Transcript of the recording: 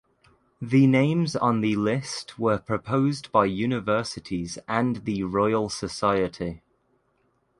The names on the list were proposed by universities and the Royal Society.